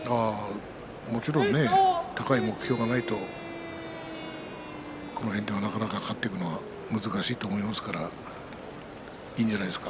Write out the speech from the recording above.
もちろん高い目標がないとこの辺でなかなか勝っていくのは難しいと思いますからいいんじゃないですか